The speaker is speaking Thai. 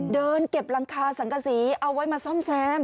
เดินเก็บหลังคาสังกษีเอาไว้มาซ่อมแซม